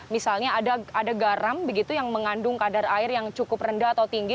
misalnya ada garam begitu yang mengandung kadar air yang cukup rendah atau tinggi